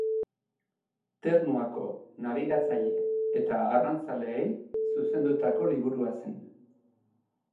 Ternuako nabigatzaile eta arrantzaleei zuzendutako liburua zen.